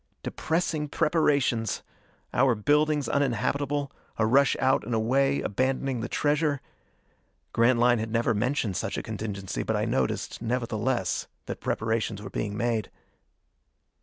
Depressing preparations! Our buildings uninhabitable, a rush out and away, abandoning the treasure.... Grantline had never mentioned such a contingency, but I noticed, nevertheless, that preparations were being made.